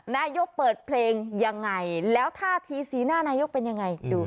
นายกเปิดเพลงยังไงแล้วท่าทีสีหน้านายกเป็นยังไงดู